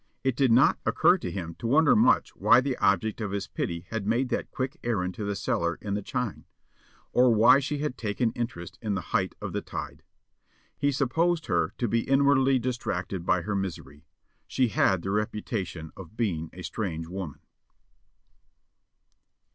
It did not occur to him to wonder much why the object of his pity had made that quick errand to the cellar in the chine, or why she had taken interest in the height of the tide. He supposed her to be inwardly distracted by her misery. She had the reputation of being a strange woman.